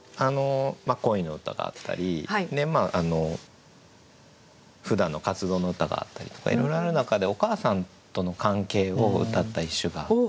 恋の歌があったりふだんの活動の歌があったりとかいろいろある中でお母さんとの関係をうたった一首があって。